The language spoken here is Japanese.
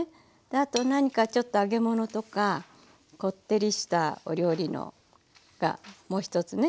あと何かちょっと揚げ物とかこってりしたお料理がもう１つね